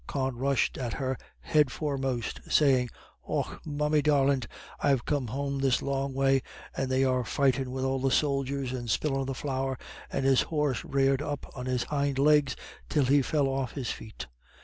Con rushed at her head foremost, saying, "Och, mammy darlint, I'm come home this long way, and they was fightin' wid all the soldiers and spillin' the flour, and his horse rared up on his hind legs till he fell off his feet.